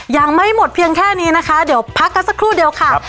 ยังไม่หมดเพียงแค่นี้นะคะเดี๋ยวพักกันสักครู่เดียวค่ะ